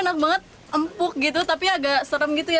enak banget empuk gitu tapi agak serem gitu ya